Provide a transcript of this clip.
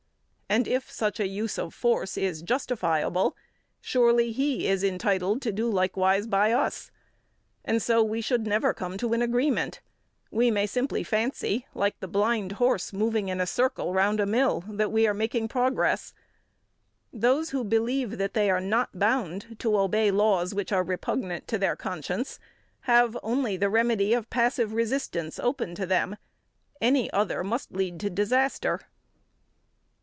And, if such a use of force is justifiable, surely he is entitled to do likewise by us. And so we should never come to an agreement. We may simply fancy, like the blind horse moving in a circle round a mill, that we are making progress. Those who believe that they are not bound to obey laws which are repugnant to their conscience have only the remedy of passive resistance open to them. Any other must lead to disaster.